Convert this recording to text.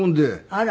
あら！